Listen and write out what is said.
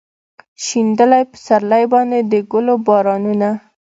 شیندلي پسرلي باندې د ګلو بارانونه